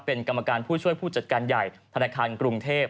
เป็นกรรมการผู้ช่วยผู้จัดการใหญ่ธนาคารกรุงเทพ